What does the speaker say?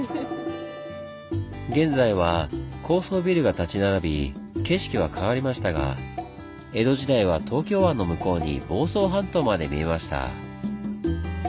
現在は高層ビルが立ち並び景色は変わりましたが江戸時代は東京湾の向こうに房総半島まで見えました。